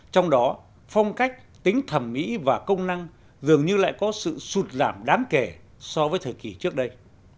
trong đó phong cách tính thẩm mỹ và công năng dường như lại có sự sụt giảm đáng kể so với thời kỳ trước đây